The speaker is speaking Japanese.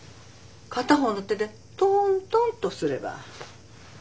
片方の手でトントンとすれば。